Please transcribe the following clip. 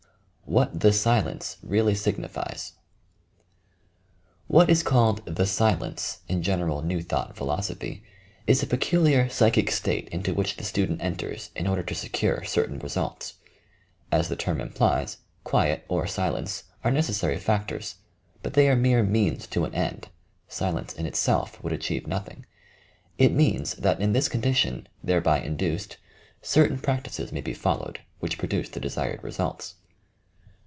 WHAT "the Sn ENCE" REALLY SIGNIFIES Wh^t is called "the silence" in general New Thought philosophy, is a peculiar psychic state into which the student enters in order to secure certain results. Aa the terra implies, quiet or silence are necessary factors, but they are mere means to au end ; silence in itself would achieve nothing. It means that in this condition, thereby induced, certain practices may be followed, which pro duce the desired results.